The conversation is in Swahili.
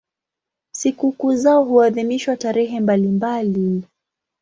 Sikukuu zao huadhimishwa tarehe mbalimbali.